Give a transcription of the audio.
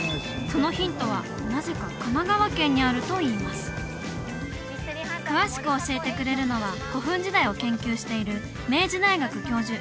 そのヒントはなぜか神奈川県にあるといいます詳しく教えてくれるのは古墳時代を研究している明治大学教授